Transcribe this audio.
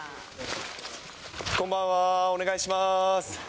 こんばんは、お願いします。